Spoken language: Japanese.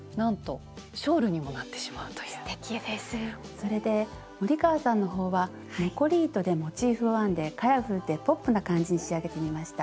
それで森川さんのほうは残り糸でモチーフを編んでカラフルでポップな感じに仕上げてみました。